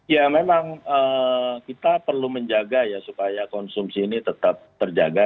ya memang kita perlu menjaga ya supaya konsumsi ini tetap terjaga